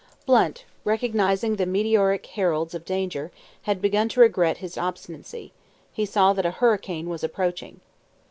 Blunt, recognising the meteoric heralds of danger, had begun to regret his obstinacy. He saw that a hurricane was approaching.